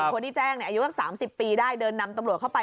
คนที่แจ้งอายุสัก๓๐ปีได้เดินนำตำรวจเข้าไป